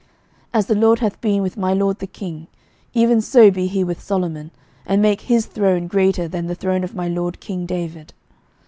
11:001:037 As the LORD hath been with my lord the king, even so be he with Solomon, and make his throne greater than the throne of my lord king David.